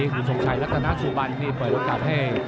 วันนี้ลักษณะสวบันที่เปิดละครบน์ให้